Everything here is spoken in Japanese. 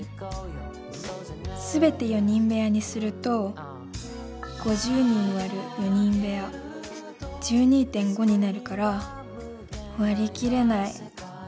すべて４人部屋にすると５０人割る４人部屋１２．５になるから割り切れない。